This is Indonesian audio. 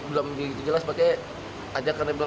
belum dijelas sepertinya